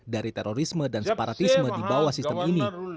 dari terorisme dan separatisme di bawah sistem ini